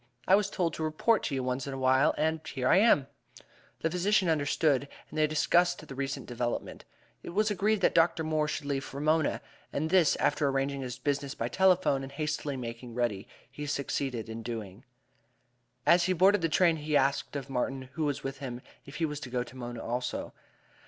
I was told to report to you once in a while and here I am." The physician understood, and then they discussed the recent development. It was agreed that Dr. Moore should leave for Mona; and this, after arranging his business by telephone and hastily making ready, he succeeded in doing. As he boarded the train he asked of Martin, who was with him, if he was to go to Mona also.